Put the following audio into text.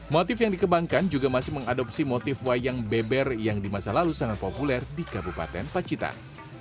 motif yang dikembangkan juga masih mengadopsi motif wayang beber yang di masa lalu sangat populer di kabupaten pacitan